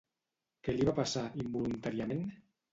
Què li va passar, involuntàriament?